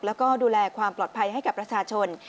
แล้วก็ดูแลความปลอดภัยให้กับประชาชน